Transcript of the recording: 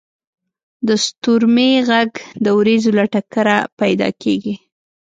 • د ستورمې ږغ د ورېځو له ټکره پیدا کېږي.